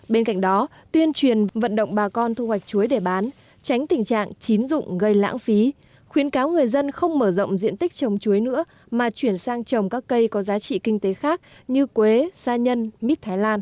bên cạnh đó tuyên truyền vận động bà con thu hoạch chuối để bán tránh tình trạng chín dụng gây lãng phí